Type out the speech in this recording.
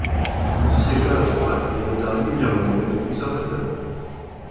Il siégea à droite et vota régulièrement avec les conservateurs.